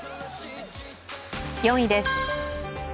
４位です。